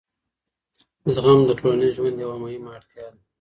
زغم د ټولنیز ژوند یوه مهمه اړتیا ده.